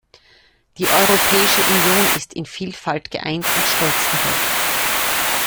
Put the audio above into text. Die Europäische Union ist in Vielfalt geeint und stolz darauf.